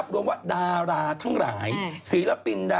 เพราะวันนี้หล่อนแต่งกันได้ยังเป็นสวย